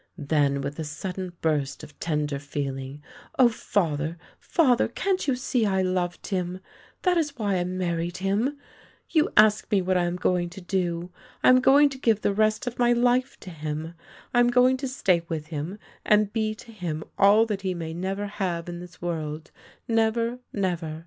Then with a sudden burst of tender feeling: " Oh, father, father, can't you see I loved him — that is why I married him. You ask me what am I going to do? I am going to give the rest of my life to him. I am going to stay with him, and be to him all that he may never have in this world, never — never.